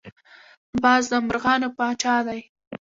باز د مرغانو پاچا دی